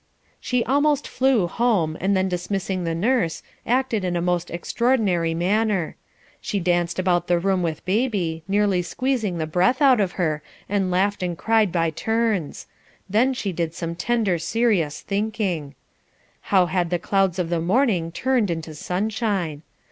She almost flew home, and then dismissing the nurse, acted in a most extraordinary manner. She danced about the room with baby, nearly squeezing the breath out of her, and laughed and cried by turns; then she did some tender serious thinking How had the clouds of the morning turned into sunshine!